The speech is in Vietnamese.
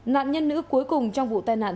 nạn nhân nữ cuối cùng trong vụ tai nạn